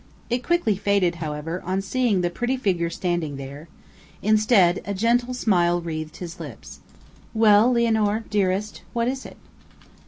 It quickly faded, however, on seeing the pretty figure standing there; instead, a gentle smile wreathed his lips. "Well, Lianor, dearest, what is it?"